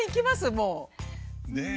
もう。ねえ。